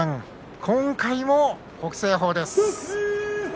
今回も北青鵬です。